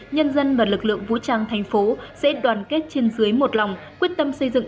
nhân dân và lực lượng vũ trang thành phố sẽ đoàn kết trên dưới một lòng quyết tâm xây dựng